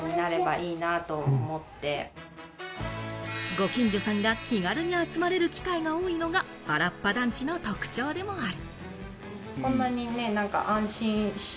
ご近所さんが気軽に集まれる機会が多いのがハラッパ団地の特徴でもある。